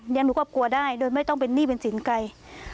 เรียนรู้กว่ากลัวได้โดยไม่ต้องเป็นหนี้เป็นสินไกร